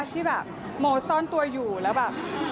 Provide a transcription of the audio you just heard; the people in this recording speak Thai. ที่แบบโมซ่อนตัวอยู่แล้วแบบ